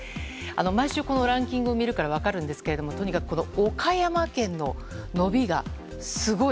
毎週、このランキングを見るから分かるんですがとにかく岡山県の伸びがすごい。